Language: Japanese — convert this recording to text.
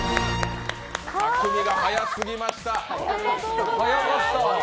匠海が速すぎました。